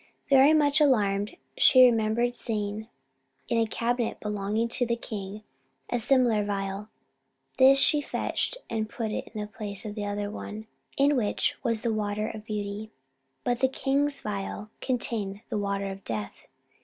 Very much alarmed, she then remembered seeing, in a cabinet belonging to the king, a similar phial. This she fetched, and put in the place of the other one, in which was the water of beauty. But the king's phial contained the water of death.